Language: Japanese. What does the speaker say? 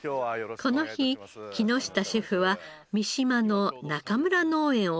この日木下シェフは三島の中村農園を訪ねました。